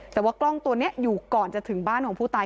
แต่ว่ากล้องตัวนี้อยู่ก่อนจะถึงบ้านของผู้ตาย